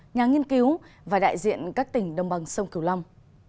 nhà nghiên cứu và đại diện các tỉnh đồng bằng sông cửu long